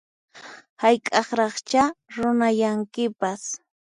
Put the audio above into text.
Hayk'aqraqchá runayankipas